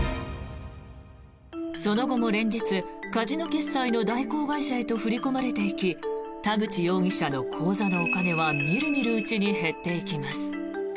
その後も連日カジノ決済の代行会社へと振り込まれていき田口容疑者の口座のお金はみるみるうちに減っていきます。